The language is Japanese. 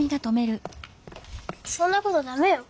そんなことだめよ。